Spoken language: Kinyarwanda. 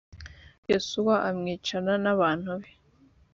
yosuwa amwicana n abantu be